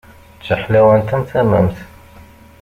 D taḥlawant am tamemt.